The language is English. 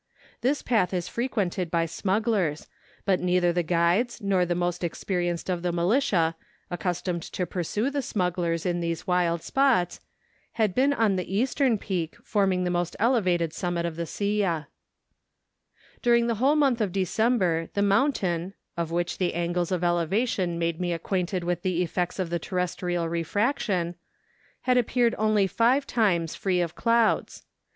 This path is frequented by smugglers, but neither the guides nor the most experienced of the militia, accustomed to pursue the smugglers in these wild spots, had been on the eastern peak, forming the most elevated summit of the Silla. THE SILLA OF CARACAS. 281 During the whole month of December the moun¬ tain (of which the angles of elevation made me acquainted with the effects of the terrestrial re¬ fraction) had appeared only five times free of clouds.